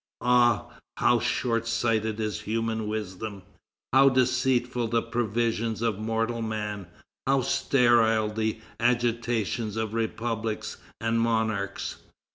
Ah! how short sighted is human wisdom, how deceitful the previsions of mortal man, how sterile the agitations of republics and monarchs!